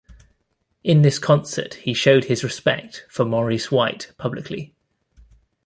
In this concert he showed his respect to Maurice White publicly.